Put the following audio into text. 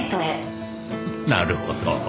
なるほど。